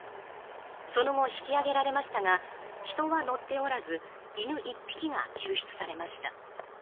その後、引き揚げられましたが人は乗っておらず犬１匹が救出されました。